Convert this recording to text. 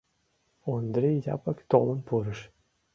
Ондри Япык толын пурыш.